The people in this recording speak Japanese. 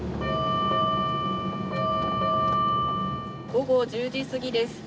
午後１０時過ぎです。